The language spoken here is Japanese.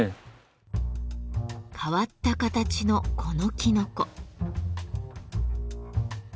変わった形のこのきのこ。